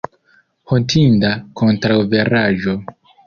Hontinda kontraŭveraĵo!